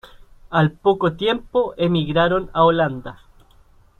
Al poco tiempo emigraron a Holanda.